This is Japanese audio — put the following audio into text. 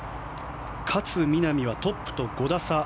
勝みなみはトップと５打差。